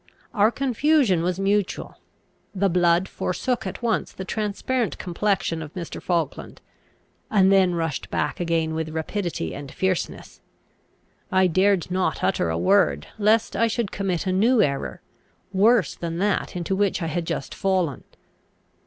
Our confusion was mutual. The blood forsook at once the transparent complexion of Mr. Falkland, and then rushed back again with rapidity and fierceness. I dared not utter a word, lest I should commit a new error, worse than that into which I had just fallen.